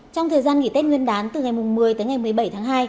trong thời gian nghỉ tết nguyên đán từ ngày một mươi tới ngày một mươi bảy tháng hai